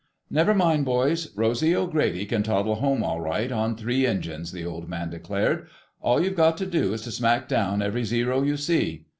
"Never mind, boys, Rosy O'Grady can toddle home all right on three engines," the Old Man declared. "All you've got to do is to smack down every Zero you see...."